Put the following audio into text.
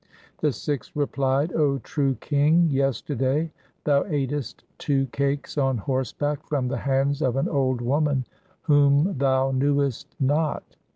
The Sikhs replied, ' 0 true king, yesterday thou atest two cakes on horseback from the hands of an old woman whom thou knewest not.